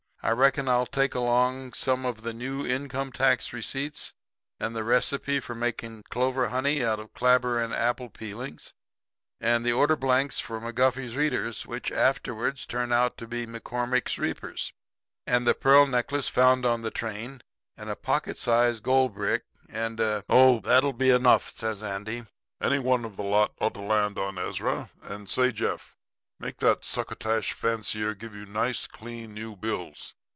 I reckon I'll take along some of the new income tax receipts, and the recipe for making clover honey out of clabber and apple peelings; and the order blanks for the McGuffey's readers, which afterwards turn out to be McCormick's reapers; and the pearl necklace found on the train; and a pocket size goldbrick; and a ' "'That'll be enough,' says Andy. 'Any one of the lot ought to land on Ezra. And say, Jeff, make that succotash fancier give you nice, clean, new bills.